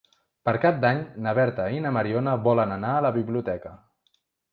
Per Cap d'Any na Berta i na Mariona volen anar a la biblioteca.